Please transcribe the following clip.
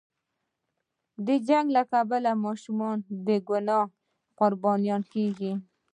د جنګ له کبله ماشومان بې له ګناه قرباني کېږي.